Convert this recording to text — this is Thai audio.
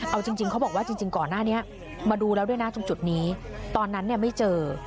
เอาจริงเขาบอกว่าจริงก่อนหน้านี้มาดูแล้วด้วยนะตรงจุดนี้ตอนนั้นเนี่ยไม่เจอ